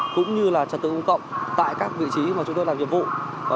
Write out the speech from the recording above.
cũng như trật tượng công cộng tại các vị trí mà chúng tôi làm việc vô